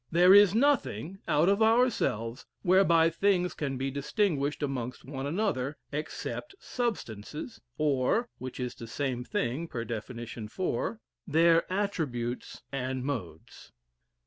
There is nothing out of ourselves whereby things can be distinguished amongst one another, except substances, or (which is the same thing, per def. lour) their attributes and modes.